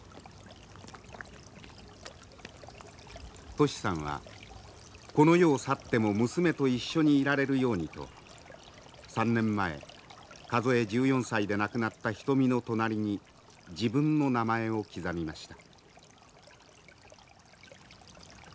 トシさんはこの世を去っても娘と一緒にいられるようにと３年前数え１４歳で亡くなった牟の隣に自分の名前を刻みました。